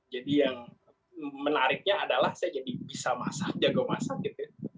jadi yang menariknya adalah saya jadi bisa masak jago masak gitu ya